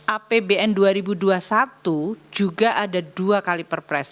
apbn dua ribu dua puluh satu juga ada dua kali perpres